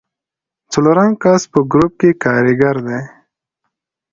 څلورم کس په ګروپ کې کاریګر دی.